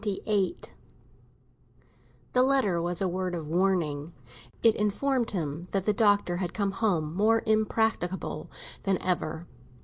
XXVIII THE letter was a word of warning; it informed him that the Doctor had come home more impracticable than ever.